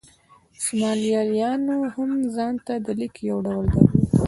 سومالیایانو هم ځان ته د لیک یو ډول درلود.